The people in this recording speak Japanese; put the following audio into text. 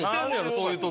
そういう時。